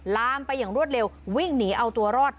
ลามไปอย่างรวดเร็ววิ่งหนีเอาตัวรอด